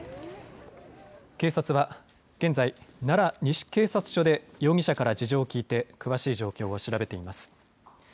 警察は現在、奈良西警察署で容疑者から事情を聞いて詳しい状況を調べています。